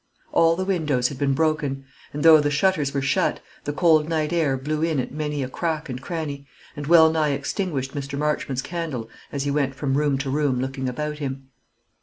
All the windows had been broken; and though the shutters were shut, the cold night air blew in at many a crack and cranny, and well nigh extinguished Mr. Marchmont's candle as he went from room to room looking about him.